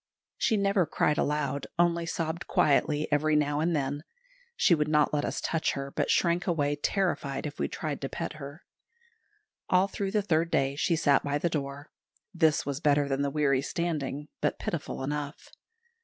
She never cried aloud, only sobbed quietly every now and then. She would not let us touch her, but shrank away terrified if we tried to pet her. All through the third day she sat by the door. This was better than the weary standing, but pitiful enough.